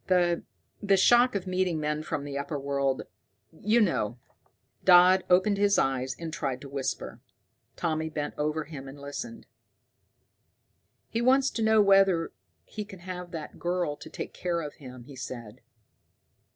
The the shock of meeting men from the upper world, you know." Dodd opened his eyes and tried to whisper. Tommy bent over him and listened. "He wants to know whether he can have that girl to take care of him," he said.